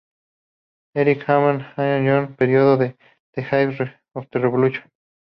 Eric Hobsbawm ha llamado al periodo "The Age of Revolution".